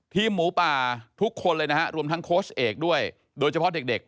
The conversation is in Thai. ทีมหมูป่าทุกคนเลยนะครับรวมทั้งโคชเอกด้วยโดยเฉพาะเด็ก